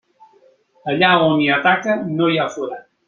Allà on hi ha taca no hi ha forat.